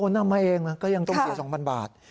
นำมาเองนะก็ยังต้องเสีย๒๐๐บาท